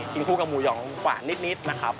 คู่กับหมูหองหวานนิดนะครับ